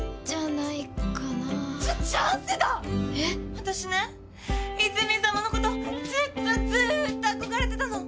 私ね泉さまのことずっとずっと憧れてたの。